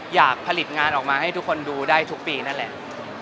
อยากผลิตงานออกมาให้ทุกคนดูได้ทุกปีนั่นแหละ